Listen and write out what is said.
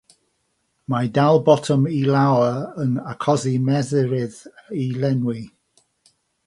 Mae dal botwm i lawr yn achosi mesurydd i lenwi.